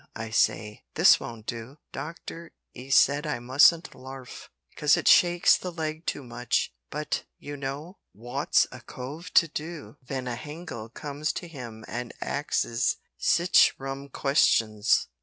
I say. This won't do. Doctor 'e said I musn't larf, 'cause it shakes the leg too much. But, you know, wot's a cove to do ven a hangel comes to him and axes sitch rum questions?"